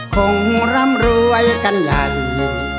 คงร่ำรวยกันอย่างหนึ่ง